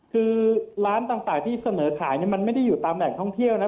คือร้านต่างที่เสนอขายมันไม่ได้อยู่ตามแหล่งท่องเที่ยวนะ